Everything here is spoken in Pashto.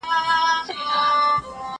زه له سهاره پوښتنه کوم،